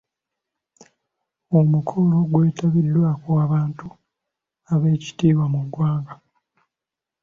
Omukolo gwetabiddwako abantu ab'ekitiibwa mu ggwanga.